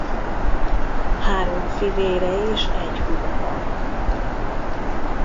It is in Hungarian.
Három fivére és egy húga van.